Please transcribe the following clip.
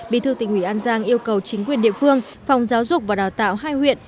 bí thư tỉnh ủy an giang yêu cầu chính quyền địa phương phòng giáo dục và đào tạo hai huyện